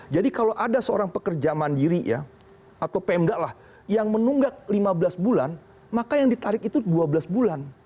jadi kalau ada seorang pekerja mandiri ya atau pm dago lah yang menunggak lima belas bulan maka yang ditarik itu dua belas bulan